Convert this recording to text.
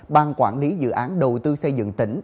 ban quản lý dự án đầu tư xây dựng tỉnh